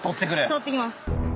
取ってきます。